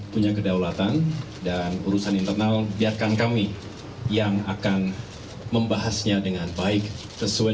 punya kedaulatan dan urusan internal biarkan kami yang akan membahasnya dengan baik sesuai